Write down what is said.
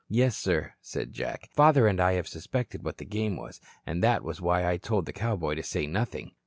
"Yes, sir," said Jack. "Father and I have suspected what the game was, and that was why I told the cowboy to say nothing."